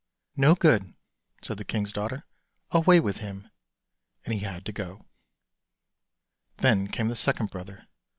" No good," said the king's daughter, " away with him," and he had to go. Then came the second brother.